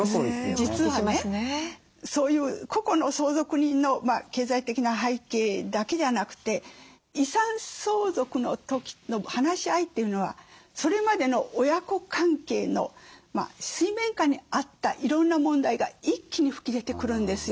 実はねそういう個々の相続人の経済的な背景だけじゃなくて遺産相続の時の話し合いというのはそれまでの親子関係の水面下にあったいろんな問題が一気に吹き出てくるんですよ。